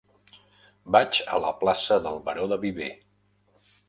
Vaig a la plaça del Baró de Viver.